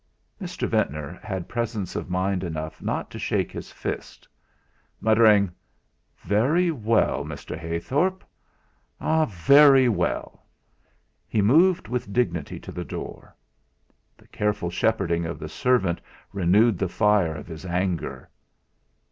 Mr. Ventnor had presence of mind enough not to shake his fist. Muttering: "Very well, Mr. Heythorp! Ah! Very well!" he moved with dignity to the door. The careful shepherding of the servant renewed the fire of his anger.